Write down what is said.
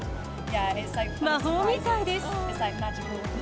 魔法みたいです。